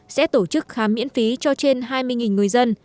sẽ tổ chức khám miễn phí cho trên hai mươi người dân